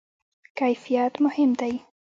کیفیت مهم دی